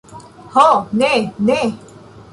Ho, ne! Ne!